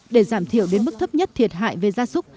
để giảm thiểu đến mức thấp nhất thiệt hại về ra xúc